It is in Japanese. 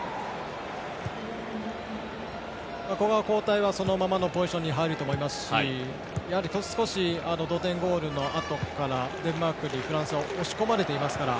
この交代はそのままのポジションに入ると思いますしやはり少し同点ゴールのあとからデンマークに、フランスは押し込まれていますから。